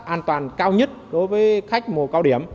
an toàn cao nhất đối với khách mùa cao điểm